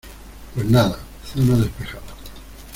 pues nada, zona despejada